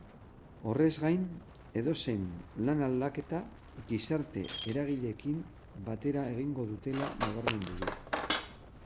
Horrez gain, edozein lan-aldaketa gizarte-eragileekin batera egingo dutela nabarmendu du.